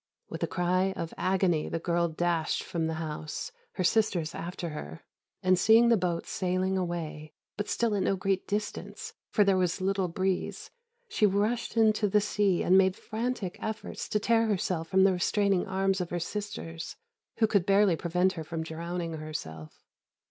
With a cry of agony the girl dashed from the house, her sisters after her; and seeing the boat sailing away, but still at no great distance, for there was little breeze, she rushed into the sea and made frantic efforts to tear herself from the restraining arms of her sisters, who could barely prevent her from drowning herself.